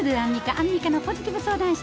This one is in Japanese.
アンミカのポジティブ相談室。